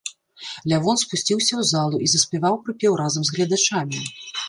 Лявон спусціўся ў залу і заспяваў прыпеў разам з гледачамі.